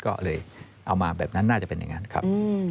ก็เลยเอามาแบบนั้นน่าจะเป็นอย่างนั้นครับ